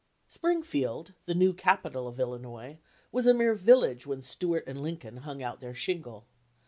Springfield, the new capital of Illinois, was a mere village when Stuart & Lincoln hung out their shingle.